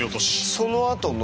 そのあとの。